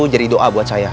jadi doa buat saya